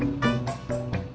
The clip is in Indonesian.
ya saya lagi konsentrasi